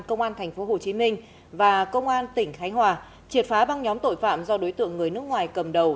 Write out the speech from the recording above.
công an tp hcm và công an tỉnh khánh hòa triệt phá băng nhóm tội phạm do đối tượng người nước ngoài cầm đầu